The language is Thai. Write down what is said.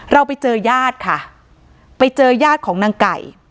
เราไปเจอญาติค่ะไปเจอญาติของนางไก่